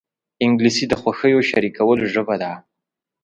انګلیسي د خوښیو شریکولو ژبه ده